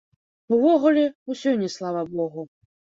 Увогуле, усё не слава богу.